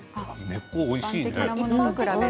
根っこおいしいね。